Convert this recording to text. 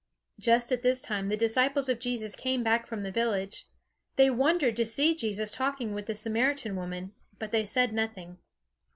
Just at this time the disciples of Jesus came back from the village. They wondered to see Jesus talking with this Samaritan woman, but they said nothing.